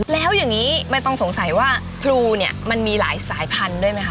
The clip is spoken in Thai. แล้วอย่างนี้ไม่ต้องสงสัยว่าพลูเนี่ยมันมีหลายสายพันธุ์ด้วยไหมค